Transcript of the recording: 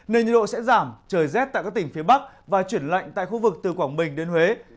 nên nhiệt độ sẽ giảm trời rét tại các tỉnh phía bắc và chuyển lạnh tại khu vực từ quảng bình đến huế